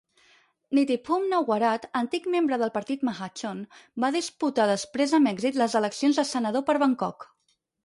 Nitiphoom Naowarat, antic membre del partit Mahachon, va disputar després amb èxit les eleccions a senador per Bangkok.